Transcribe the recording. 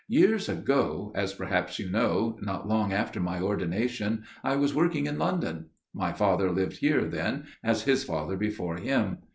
"Years ago, as perhaps you know, not long after my ordination I was working in London. My father lived here then, as his father before him.